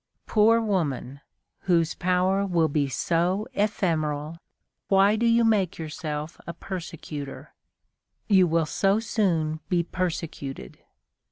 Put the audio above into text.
Poor woman, whose power will be so ephemeral, why do you make yourself a persecutor? You will so soon be persecuted.